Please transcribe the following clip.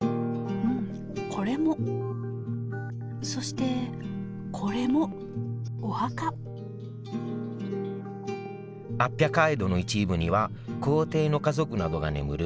これもそしてこれもお墓アッピア街道の一部には皇帝の家族などが眠る